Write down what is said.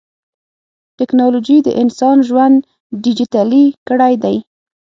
ټکنالوجي د انسان ژوند ډیجیټلي کړی دی.